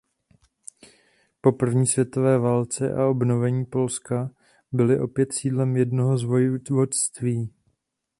Po první světové válce a obnovení Polska byly opět sídlem jednoho z vojvodství.